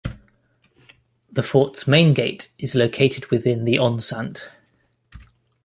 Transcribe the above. The fort's main gate is located within the enceinte.